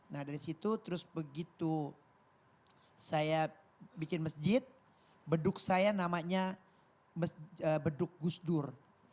nah dari situ terus begitu saya bikin masjid beduk saya namanya beduk gusdur